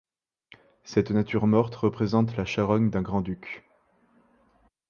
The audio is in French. Cette nature morte représente la charogne d'un grand-duc.